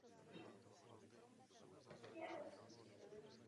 Bohužel nebyla zcela poslední.